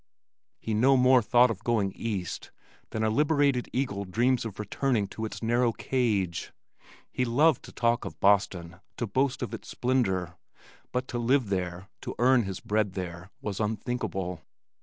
He no more thought of going east than a liberated eagle dreams of returning to its narrow cage. He loved to talk of Boston, to boast of its splendor, but to live there, to earn his bread there, was unthinkable.